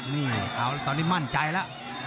นี่เอาตอนนี้มั่นใจแล้ว